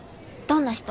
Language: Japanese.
どんな人？